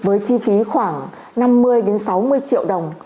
với chi phí khoảng năm mươi sáu mươi triệu đồng